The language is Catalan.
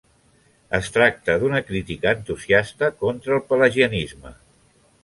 Es tracta d'una crítica entusiasta contra el pelagianisme.